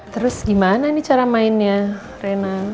terus gimana nih cara mainnya rena